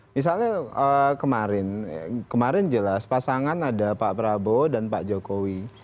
misalnya kemarin kemarin jelas pasangan ada pak prabowo dan pak jokowi